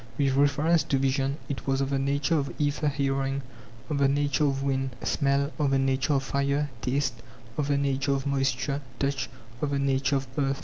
With reference to vision, it was of the nature of aether ; hearing, of the nature of wind; smell, of the nature of fire; taste, of the nature of moisture; touch, of the nature of earth.